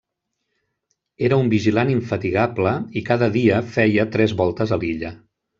Era un vigilant infatigable i cada dia feia tres voltes a l'illa.